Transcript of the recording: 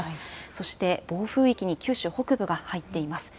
そして暴風域に九州北部が入っています。